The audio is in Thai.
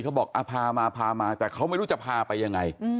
เขาบอกพามาพามาแต่เขาไม่รู้จะพาไปยังไง